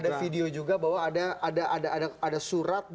ada video juga bahwa ada surat